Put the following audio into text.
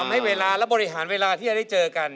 ให้เวลาและบริหารเวลาที่จะได้เจอกัน